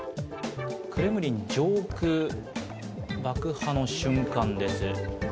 クレムリン上空、爆破の瞬間です。